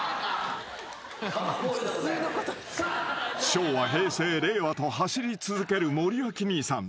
［昭和平成令和と走り続ける森脇兄さん］